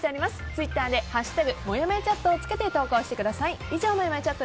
ツイッターで「＃もやもやチャット」をつけて投稿してください。